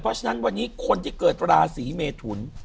เพราะฉะนั้นวันนี้คนที่เกิดราศีเมทุน